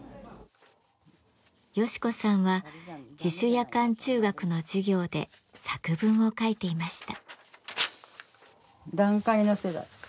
ヨシ子さんは自主夜間中学の授業で作文を書いていました。